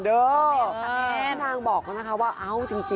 พี่นางบ้อกเขาว่า